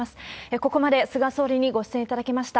ここまで菅総理にご出演いただきました。